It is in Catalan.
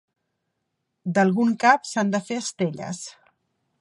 D'algun cap s'han de fer estelles.